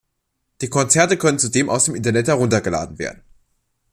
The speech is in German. Die Konzerte können zudem aus dem Internet heruntergeladen werden.